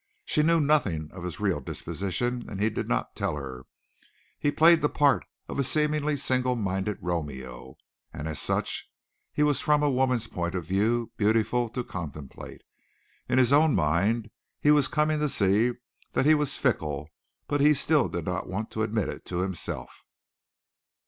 She knew nothing of his real disposition and he did not tell her. He played the part of a seemingly single minded Romeo, and as such he was from a woman's point of view beautiful to contemplate. In his own mind he was coming to see that he was fickle but he still did not want to admit it to himself.